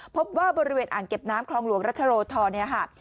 พบว่าบริเวณอ่างเก็บน้ำคลองหลวงรชาโลธร